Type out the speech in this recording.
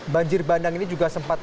banjir bandang ini juga sempat